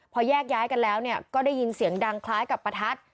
พอแยกย้ายกันแล้วก็ได้ยินเสียงดังคล้ายกับประทัด